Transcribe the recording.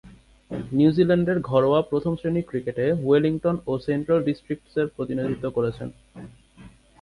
নিউজিল্যান্ডের ঘরোয়া প্রথম-শ্রেণীর ক্রিকেটে ওয়েলিংটন ও সেন্ট্রাল ডিস্ট্রিক্টসের প্রতিনিধিত্ব করেছেন।